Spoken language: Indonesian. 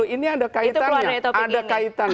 ini ada kaitannya